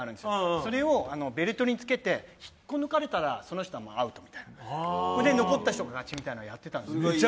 それをベルトにつけて、引っこ抜かれたらその人はもうアウトみたいな、残った人は勝ちみたいな。